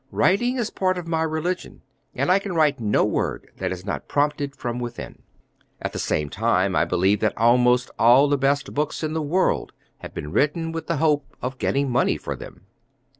"Writing is part of my religion, and I can write no word that is not prompted from within. At the same time I believe that almost all the best books in the world have been written with the hope of getting money for them."